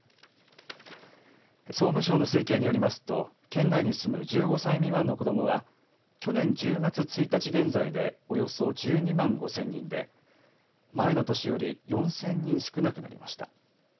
総務省の推計によりますと県内に住む１５歳未満の子どもは去年１０月１日現在でおよそ１２万５０００人で前の年より４０００人少なくなりました。